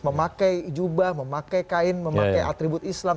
memakai jubah memakai kain memakai atribut islam